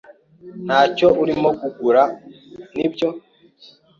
Ntacyo urimo kugura, nibyo?